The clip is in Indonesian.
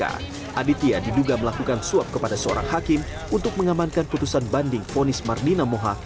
aditya diduga melakukan suap kepada seorang hakim untuk mengamankan putusan banding vonis mardinamoha